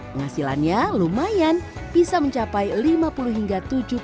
penghasilannya lumayan bisa mencapai lima puluh hingga tujuh puluh